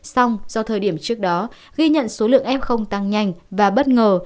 xong do thời điểm trước đó ghi nhận số lượng f tăng nhanh và bất ngờ